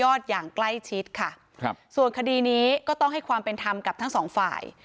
อย่างใกล้ชิดค่ะครับส่วนคดีนี้ก็ต้องให้ความเป็นธรรมกับทั้งสองฝ่าย